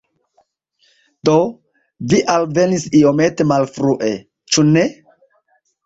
Do, vi alvenis iomete malfrue, ĉu ne?